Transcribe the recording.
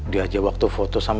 diajak waktu foto sama